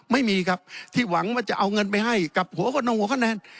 ไม่มีครับที่หวังว่าจะเอาเงินไปให้กับหัวคนงหัวคะแนน